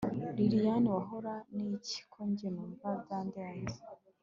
lilian wahora niki ko njye numva byandenze